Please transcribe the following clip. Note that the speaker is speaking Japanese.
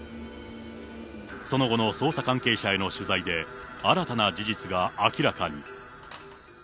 その後の捜査関係者への取材で、新たな事実が明らかに。